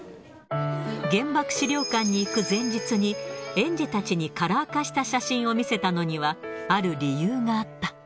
原爆資料館に行く前日に、園児たちにカラー化した写真を見せたのには、ある理由があった。